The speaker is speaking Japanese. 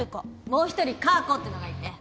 もう一人カー子ってのがいて。